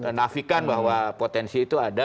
menafikan bahwa potensi itu ada